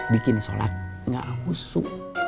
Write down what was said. bikin sholat gak husu